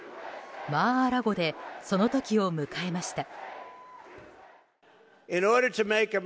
マー・ア・ラゴでその時を迎えました。